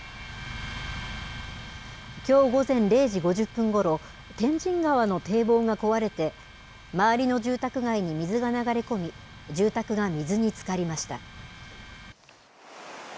きょう午前０時５０分ごろ、天神川の堤防が壊れて、周りの住宅街に水が流れ込み、住宅が水につかりました。